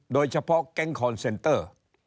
โดยเฉพาะแก๊งคอนเซนเตอร์